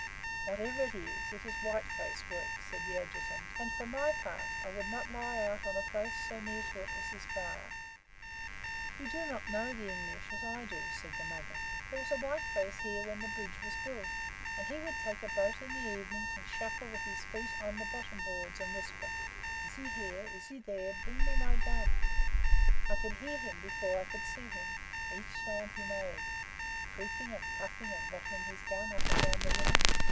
"Whatever it is, it is white face work," said the Adjutant; "and for my own part, I would not lie out upon a place so near to it as this bar." "You do not know the English as I do," said the Mugger. "There was a white face here when the bridge was built, and he would take a boat in the evenings and shuffle with his feet on the bottom boards, and whisper: 'Is he here? Is he there? Bring me my gun.' I could hear him before I could see him each sound that he made creaking and puffing and rattling his gun, up and down the river.